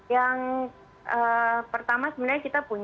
yang pertama sebenarnya kita punya